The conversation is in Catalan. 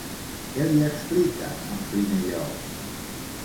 Què li explica en primer lloc?